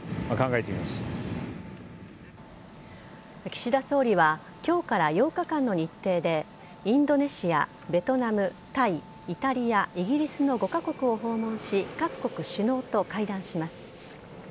岸田総理は今日から８日間の日程でインドネシア、ベトナムタイ、イタリア、イギリスの５カ国を訪問し各国首脳と会談します。